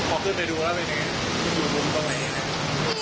ขอขึ้นไปดูแล้วเป็นยังไงหัวมุมตรงไหนอย่างนี้